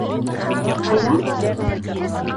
Ҡайҙан?